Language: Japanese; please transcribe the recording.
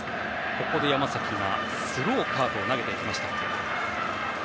ここで山崎がスローカーブを投げてきました。